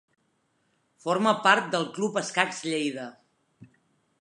Forma part del Club Escacs Lleida.